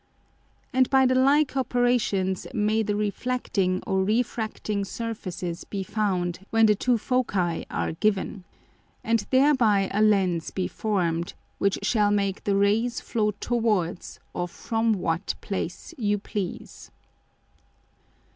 [A] And by the like Operations may the reflecting or refracting Surfaces be found when the two Foci are given, and thereby a Lens be formed, which shall make the Rays flow towards or from what Place you please.